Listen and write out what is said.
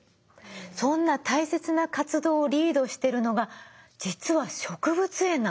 そんな大切な活動をリードしてるのが実は植物園なの。